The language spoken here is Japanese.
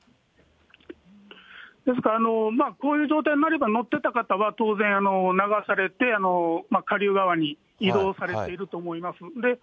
ですから、こういう状態になれば、乗ってた方は当然、流されて、下流側に移動されていると思います。